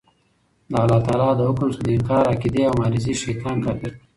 د الله تعالی د حکم څخه د انکار عقيدې او معارضې شيطان کافر کړ.